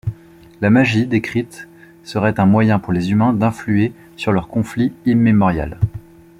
La magie décrite serait un moyen pour les humains d'influer sur leur conflit immémorial.